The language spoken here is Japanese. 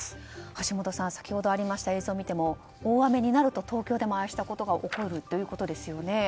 橋下さん、先ほどありました映像を見ても、大雨になると東京でも、ああいうことが起こるってことですね。